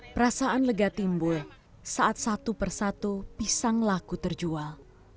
perasaan lega timbul saat satu persatu pisang laku terjual